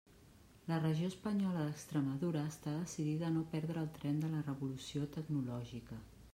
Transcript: La regió espanyola d'Extremadura està decidida a no perdre el tren de la revolució tecnològica.